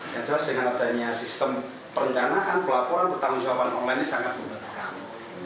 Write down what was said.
yang jelas dengan adanya sistem perencanaan pelaporan bertanggung jawaban online sangat mudah